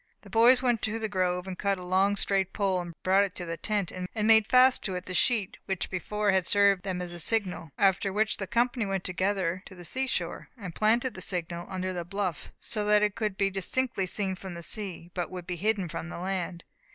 The boys went to the grove, and cutting a long straight pole, brought it to the tent, and made fast to it the sheet which before had served them as a signal; after which the company went together to the sea shore, and planted the signal under the bluff, so that it could be distinctly seen from sea, but would be hidden from the land.